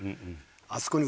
あそこに。